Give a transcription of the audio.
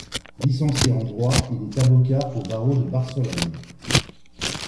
Licencié en droit, il est avocat au barreau de Barcelone.